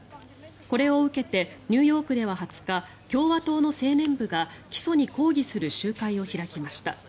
これを受けてニューヨークでは２０日共和党の青年部が起訴に抗議する集会を開きました。